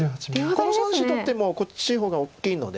この３子取ってもこっちの方が大きいので。